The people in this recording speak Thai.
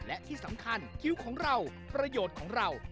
และที่สำคัญคิ้วของเราประโยชน์ของเรา